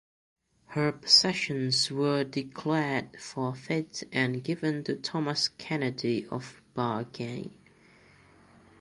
Her possessions were declared forfeit and given to Thomas Kennedy of Bargany.